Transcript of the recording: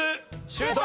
シュート！